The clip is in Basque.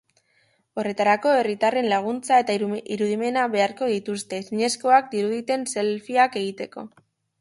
Horretarako, herritarren laguntza eta irudimena beharko dituzte, ezinezkoak diruditen selfieak egiteko.